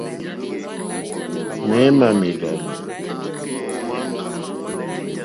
Méémà mèrzàlì.